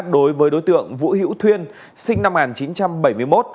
đối với đối tượng vũ hữu thuyên sinh năm một nghìn chín trăm bảy mươi một